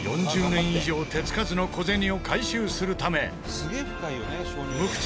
４０年以上手つかずの小銭を回収するため無口